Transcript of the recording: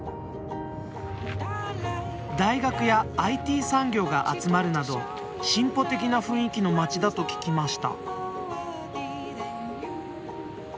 大学やＩＴ産業が集まるなど進歩的な雰囲気の街だと聞きました。